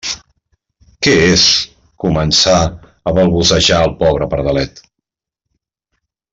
Què és? —començà a balbucejar el pobre pardalet.